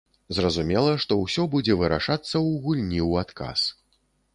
Зразумела, што ўсё будзе вырашацца ў гульні ў адказ.